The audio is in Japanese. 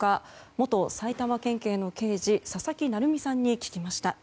元埼玉県警の刑事佐々木成三さんに聞きました。